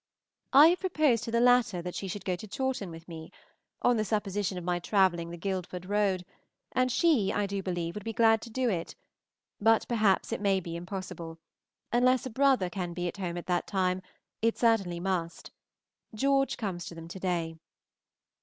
I have proposed to the latter that she should go to Chawton with me, on the supposition of my travelling the Guildford road, and she, I do believe, would be glad to do it, but perhaps it may be impossible; unless a brother can be at home at that time, it certainly must. George comes to them to day.